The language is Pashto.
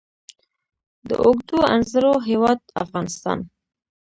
د اوږدو انځرو هیواد افغانستان.